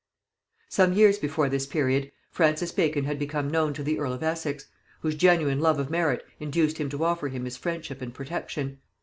Some years before this period, Francis Bacon had become known to the earl of Essex, whose genuine love of merit induced him to offer him his friendship and protection.